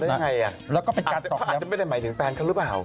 อ้าวเรื่องยังไงอาจจะไม่ได้หมายถึงแฟนเขาหรือเปล่า